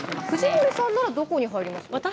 藤森さんならどこに入りますか？